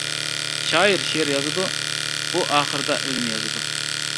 شائىر شېئىر يازىدۇ، ئۇ ئاخىرىدا ئۆزىنى يازىدۇ.